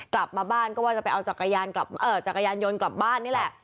กลับมาบ้านก็ว่าจะไปเอาจักรยานจักรยานยนต์กลับบ้านนี่แหละ